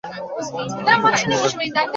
আরে কত সময় লাগবে!